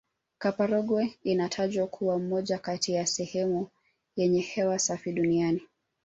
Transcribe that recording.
kaporogwe inatajwa kuwa moja kati ya sehemu yenye hewa safi duniani